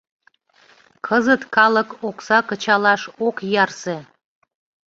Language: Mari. Кызыт калык окса кычалаш ок ярсе.